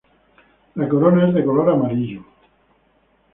La corona es de color amarillo.